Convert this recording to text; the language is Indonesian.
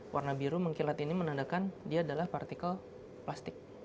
warna biru mengkilat ini menandakan dia adalah partikel plastik